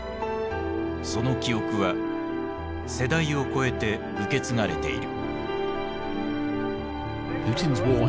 その記憶は世代を超えて受け継がれている。